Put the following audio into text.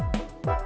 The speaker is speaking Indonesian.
yang baru makan